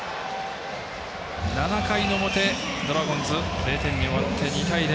７回の表ドラゴンズ０点に終わって２対０。